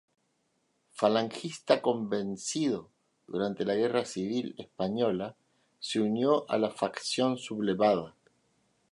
Falangista convencido, durante la Guerra Civil Española se unió a la facción sublevada.